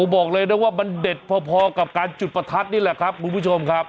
บอกเลยนะว่ามันเด็ดพอกับการจุดประทัดนี่แหละครับคุณผู้ชมครับ